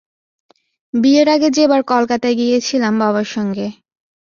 বিয়ের আগে যেবার কলকাতায় গিয়েছিলাম বাবার সঙ্গে।